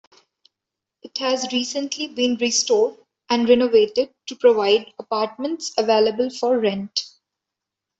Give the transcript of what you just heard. It has recently been restored and renovated to provide apartments available for rent.